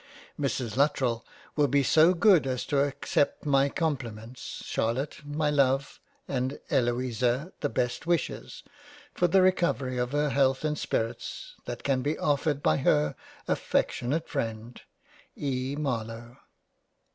Mrs Lutterell will be so good as to accept my compli ments, Charlotte, my Love, and Eloisa the best wishes for the recovery of her Health and Spirits that can be offered by her affectionate Freind E. Marlowe.